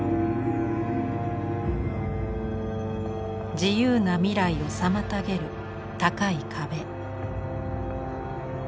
自由な未来を妨げる高い壁。